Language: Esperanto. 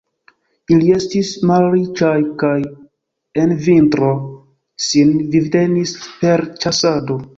Ili estis malriĉaj kaj en vintro sin vivtenis per ĉasado.